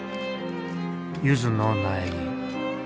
ゆずの苗木。